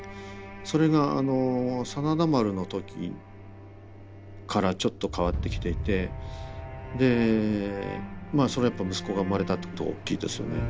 それがあの「真田丸」の時からちょっと変わってきていてでまあそれはやっぱ息子が生まれたってことが大きいですよね。